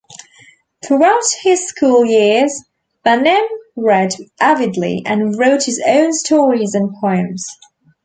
Throughout his school years, Banim read avidly and wrote his own stories and poems.